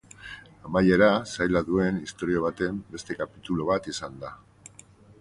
Amaiera zaila duen istorio baten beste kapitulu bat izan da.